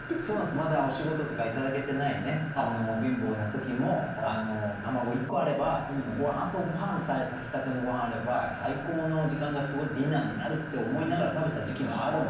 まだお仕事とか頂けてないね貧乏な時も卵１個あればあとごはんさえ炊きたてのごはんあれば最高の時間がディナーになるって思いながら食べてた時期もあるので。